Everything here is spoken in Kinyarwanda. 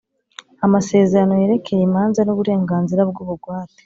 Amasezerano yerekeye imanza n uburenganzira bw ubugwate